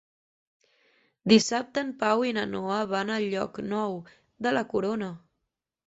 Dissabte en Pau i na Noa van a Llocnou de la Corona.